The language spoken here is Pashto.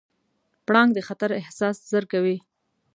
پړانګ د خطر احساس ژر کوي.